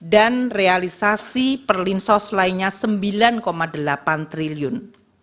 dan realisasi perlindungan sos lainnya rp sembilan delapan triliun